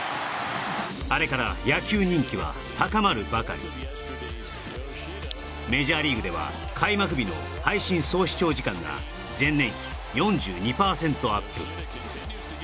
あれから野球人気は高まるばかりメジャーリーグでは開幕日の配信総視聴時間が前年比４２％アップ